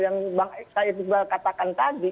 yang bang said iqbal katakan tadi